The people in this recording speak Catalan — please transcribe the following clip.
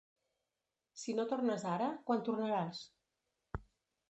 Si no tornes ara, quan tornaràs?